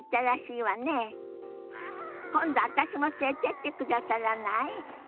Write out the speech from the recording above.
今度私も連れてってくださらない？